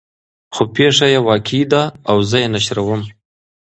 خو پېښه يې واقعي ده او زه یې نشروم.